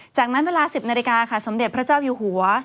จากนั้นเวลา๑๐นาฬิกาค่ะสมเด็จพระเจ้าอยู่หัว